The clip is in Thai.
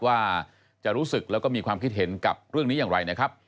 ว่าจะรู้สึกแล้วก็มีความคิดเห็นกับเรื่องนี้อย่างไรนะครับ